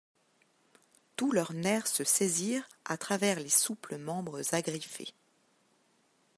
Tous leurs nerfs se saisirent à travers les souples membres agriffés.